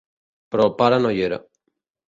Però el pare no hi era.